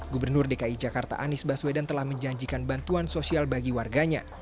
gubernur dki jakarta anies baswedan telah menjanjikan bantuan sosial bagi warganya